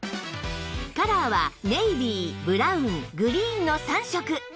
カラーはネイビーブラウングリーンの３色